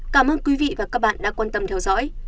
cảm ơn quý vị và các bạn đã quan tâm theo dõi